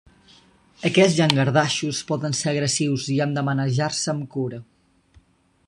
Aquests llangardaixos poden ser agressius i han de manejar-se amb cura.